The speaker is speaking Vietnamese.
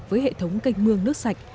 với hệ thống canh mương nước sạch